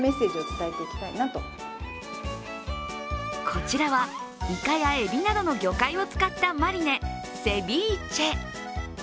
こちらはイカやエビなどの魚介を使ったマリネ、セビーチェ。